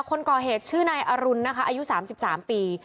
คนก่อเหตุชื่อนายอรุณนะคะอายุ๓๓ปี